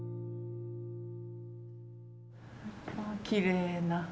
きれいな。